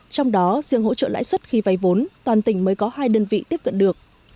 trong đó riêng hỗ trợ lãi suất khi vay vốn toàn tỉnh mới có hai đơn vị tiếp cận được